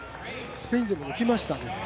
スペイン勢を抜きましたね。